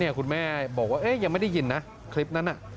คุณแม่บอกว่ายังไม่ได้ยินนะคลิปนั้นน่ะ